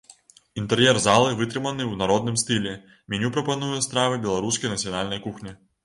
Інтэр'ер залы вытрыманы ў народным стылі, меню прапануе стравы беларускай нацыянальнай кухні.